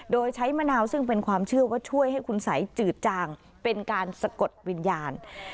โดยใช้มะนาวซึ่งเป็นความเชื่อว่าช่วยให้คุณสัยจืดจางเป็นการสะกดวิญญาณ